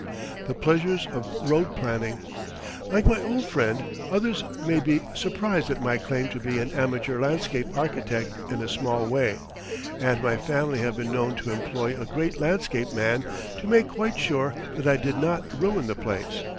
THE PLEASURES OF ROAD PLANNING Like my old friend, others may be surprised at my claim to be an amateur landscape architect in a small way, and my family have been known to employ a great landscape man to make quite sure that I did not ruin the place.